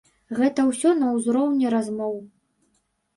Гэта ўсё на ўзроўні размоў.